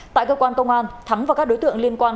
tại cơ quan công an thắng và các đối tượng liên quan